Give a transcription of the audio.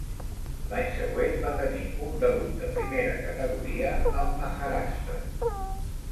L'any següent va tenir un debut de primera categoria amb Maharashtra.